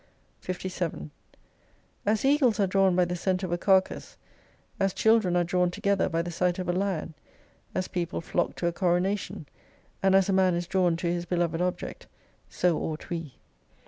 57 As eagles arc drawn by the scent of a carcase, as children are drawn together by the sight of a lion, as people flock to a coronation, and as a man is drawn to his beloved object, so ought we.